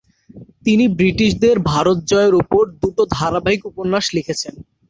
তিনি ব্রিটিশদের ভারত জয়ের উপর দুটো ধারাবাহিক উপন্যাস লিখেছেন।